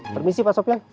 permisi pak sopyan